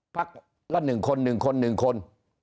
ภักดิ์ละหนึ่งคนหนึ่งคนหนึ่งคน